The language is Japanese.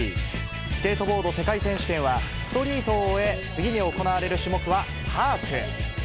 スケートボード世界選手権はストリートを終え、次に行われる種目はパークへ。